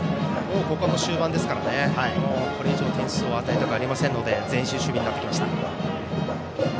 ここは終盤ですからこれ以上、点数を与えたくありませんので前進守備になりました。